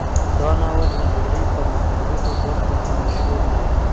دا ناول د نړۍ په مختلفو برخو کې مشهور دی.